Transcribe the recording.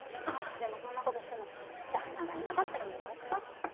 ああでもそんな事しても旦那がいなかったら無駄足か。